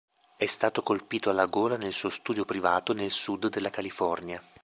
È stato colpito alla gola nel suo studio privato nel sud della California.